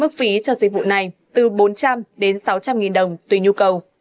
mức phí cho dịch vụ này từ bốn trăm linh đến sáu trăm linh nghìn đồng tùy nhu cầu